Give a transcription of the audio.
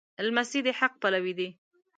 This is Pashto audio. لمسی د حق پلوی وي.